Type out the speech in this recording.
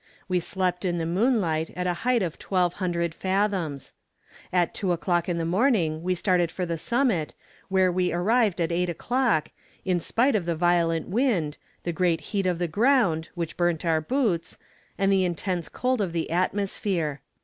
We slept in the moonlight at a height of 1200 fathoms. At two o'clock in the morning we started for the summit, where we arrived at eight o'clock, in spite of the violent wind, the great heat of the ground, which burnt our boots, and the intense cold of the atmosphere.